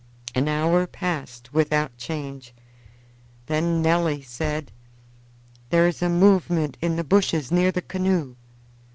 An hour passed without change. Then Nelly said: "There is a movement in the bushes near the canoe."